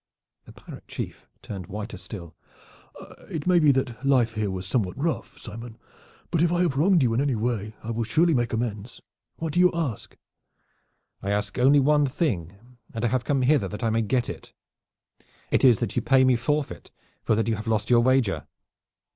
The pirate chief turned whiter still. "It may be that life here was somewhat rough, Simon, but if I have wronged you in anyway, I will surely make amends. What do you ask?" "I ask only one thing, and I have come hither that I may get it. It is that you pay me forfeit for that you have lost your wager."